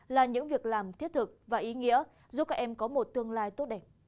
là những việc làm thiết thực và ý nghĩa giúp các em có một tương lai tốt đẹp